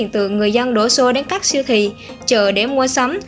từ người dân đổ xô đến các siêu thị chợ để mua sắm